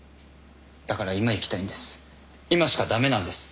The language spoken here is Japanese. だから今行きたいんです。